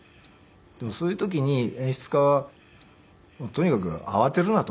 でもそういう時に演出家は「とにかく慌てるな」と。